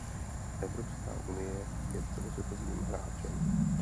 Evropská unie je celosvětovým hráčem.